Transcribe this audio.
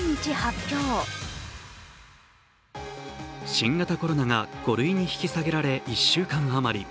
新型コロナが５類に引き下げられ１週間余り。